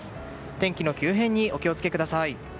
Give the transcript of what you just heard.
天気の急変にお気をつけください。